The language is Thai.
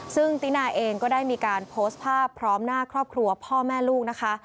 ซึ่งตินาเองก็ได้มีการโพสต์ภาพพร้อมหน้าครอบครัวพ่อแม่ลูกนะคะ